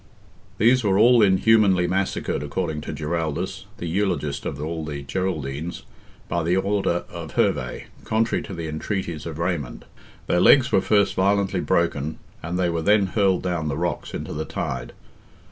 These were all inhumanly massacred, according to Giraldus, the eulogist of all the Geraldines, by the order of Herve, contrary to the entreaties of Raymond. Their legs were first violently broken, and they were then hurled down the rocks into the tide.